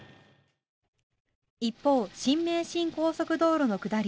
一方、新名神高速道路の下り